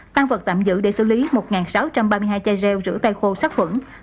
tăng vật tạm giữ để xử lý một sáu trăm ba mươi hai chai rêu rửa tay khô sát khuẩn